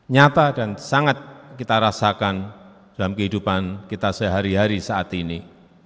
nyata dan sangat kita rasakan dalam kehidupan kita sehari hari saat ini